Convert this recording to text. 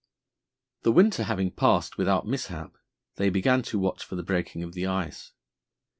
The winter having passed without mishap they began to watch for the breaking of the ice.